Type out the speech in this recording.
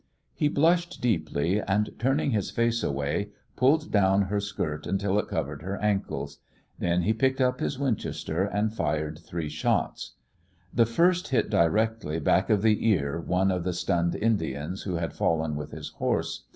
He blushed deeply, and, turning his face away, pulled down her skirt until it covered her ankles. Then he picked up his Winchester and fired three shots. The first hit directly back of the ear one of the stunned Indians who had fallen with his horse.